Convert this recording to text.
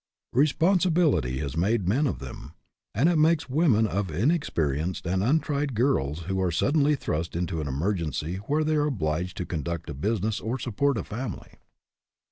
Responsibility has made men of them. And it makes women of inexperienced ioo RESPONSIBILITY DEVELOPS and untried girls who are suddenly thrust into an emergency where they are obliged to con duct a business or support a family.